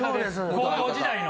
高校時代の。